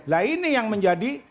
nah ini yang menjadi